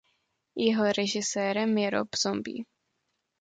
Jeho režisérem je Rob Zombie.